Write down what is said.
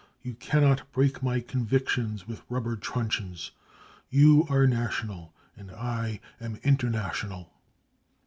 You cannot break my convic tions with rubber truncheons : you are national and I an international.